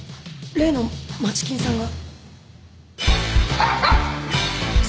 例の街金さんが？